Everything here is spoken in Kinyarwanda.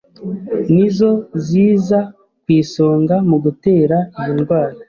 nizo ziza ku isonga mu gutera iyi ndwara.